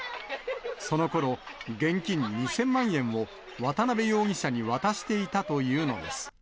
そのころ、現金２０００万円を渡辺容疑者に渡していたというのです。